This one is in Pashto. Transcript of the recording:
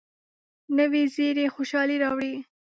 نوې زیري خوشالي راوړي